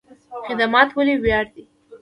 خدمت ولې ویاړ دی؟